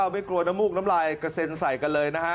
ไม่กลัวน้ำมูกน้ำลายกระเซ็นใส่กันเลยนะฮะ